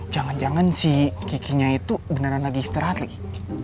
jangan jangan si kikinya itu beneran lagi istirahat lagi